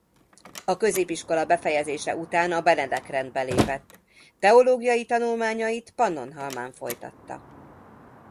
A középiskola befejezése után a Benedek-rendbe lépett. Teológiai tanulmányait Pannonhalmán folytatta.